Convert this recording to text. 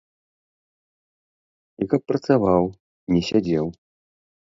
І каб працаваў, не сядзеў.